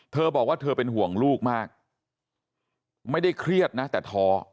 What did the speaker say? เธอบอกว่าเธอเป็นห่วงลูกมากไม่ได้เครียดนะแต่ท้อ